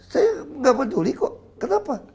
saya nggak peduli kok kenapa